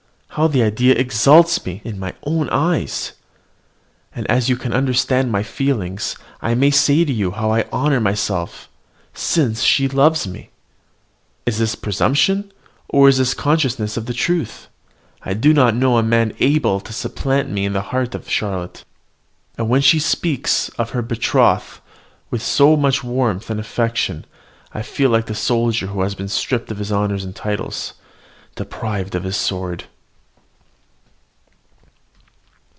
How the idea exalts me in my own eyes! And, as you can understand my feelings, I may say to you, how I honour myself since she loves me! Is this presumption, or is it a consciousness of the truth? I do not know a man able to supplant me in the heart of Charlotte; and yet when she speaks of her betrothed with so much warmth and affection, I feel like the soldier who has been stripped of his honours and titles, and deprived of his sword.